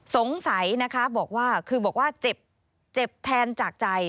สงสัยนะคะบอกว่าเจ็บแทนจากใจ